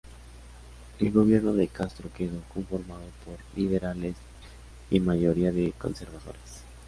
El gobierno de Castro quedó conformado por liberales y mayoría de conservadores.